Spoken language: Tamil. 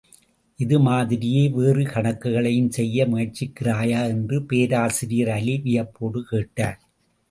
இது மாதிரியே வேறு கணக்குகளையும் செய்ய முயற்சிக்கிறாயா? என்று பேராசிரியர் அலி வியப்போடு கேட்டார்.